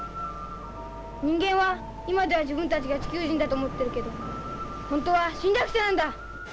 人間は今では自分たちが地球人だと思ってるけどほんとは侵略者なんだ。